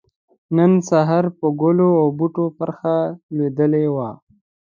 نن سحار پر ګلو او بوټو پرخه لوېدلې وه